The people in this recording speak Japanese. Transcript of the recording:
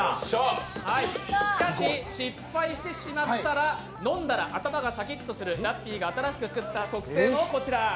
しかし、失敗してしまったら、飲んだら頭がシャキッとする、ラッピーが新しく作った特製のこちら。